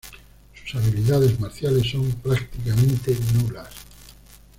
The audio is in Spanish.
Sus habilidades marciales son prácticamente nulas.